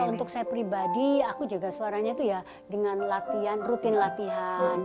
untuk saya pribadi aku jaga suaranya itu ya dengan latihan rutin latihan